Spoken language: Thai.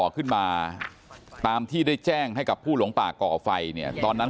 ขึ้นมาตามที่ได้แจ้งให้กับผู้หลงป่าก่อไฟเนี่ยตอนนั้น